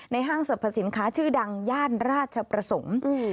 ห้างสรรพสินค้าชื่อดังย่านราชประสงค์